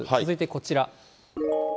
続いてこちら。